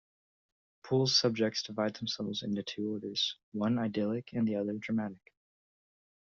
Poole's subjects divide themselves into two orders, one idyllic, the other dramatic.